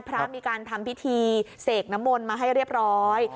พระมีการทำพิธีเสกน้ำมนต์มาให้เรียบร้อย